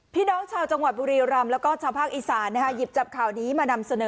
พี่น้องชาวจังหวัดบุรีรำแล้วก็ชาวภาคอีสานหยิบจับข่าวนี้มานำเสนอ